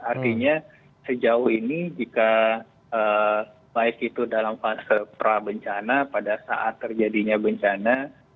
artinya sejauh ini jika baik itu dalam fase prabencana pada saat terjadinya bencana